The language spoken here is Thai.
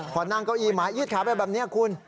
พอนั่งเก้าอี้หมายืดขาไปแบบนี้คุณ